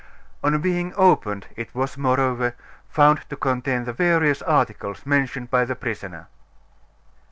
On being opened, it was, moreover, found to contain the various articles mentioned by the prisoner.